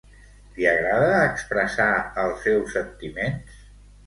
Li agrada expressar els seus sentiments?